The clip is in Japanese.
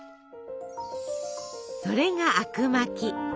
それがあくまき。